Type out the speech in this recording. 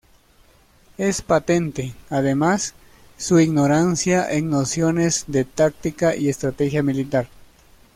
Es patente, además, su ignorancia en nociones de táctica y estrategia militar.